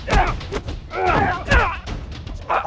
aku akan menang